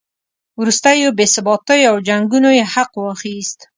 وروستیو بې ثباتیو او جنګونو یې حق واخیست.